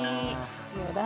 必要だ。